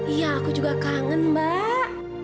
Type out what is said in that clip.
iya aku juga kangen mbak